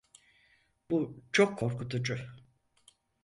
Bu çok korkutucu.